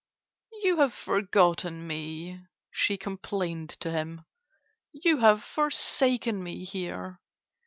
"You have forgotten me," she complained to him. "You have forsaken me here."